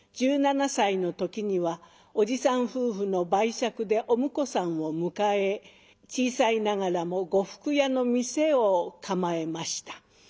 １７歳の時にはおじさん夫婦の媒酌でお婿さんを迎え小さいながらも呉服屋の店を構えました。